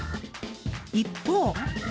一方。